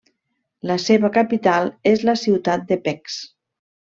La seva capital és la ciutat de Pécs.